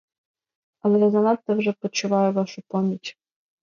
Але я занадто вже почуваю вашу поміч.